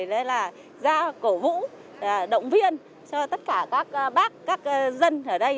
thế nên là ra cổ vũ động viên cho tất cả các bác các dân ở đây